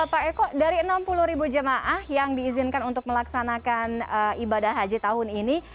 pak eko dari enam puluh ribu jemaah yang diizinkan untuk melaksanakan ibadah haji tahun ini